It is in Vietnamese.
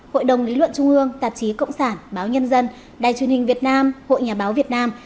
hội đồng lý luận trung ương tạp chí cộng sản báo nhân dân đài truyền hình việt nam hội nhà báo việt nam